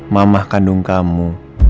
mamah kandung kamu